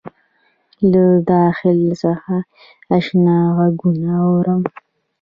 له داخل څخه آشنا غــــــــــږونه اورم